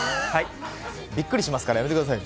びっくりしますからやめてください。